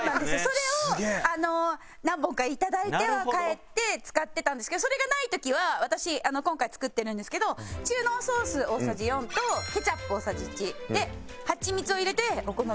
それを何本か頂いては帰って使ってたんですけどそれがない時は私今回作ってるんですけど中濃ソース大さじ４とケチャップ大さじ１ではちみつを入れてお好み焼きソースを作ってました。